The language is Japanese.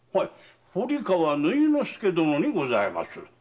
堀川縫殿助殿にございます。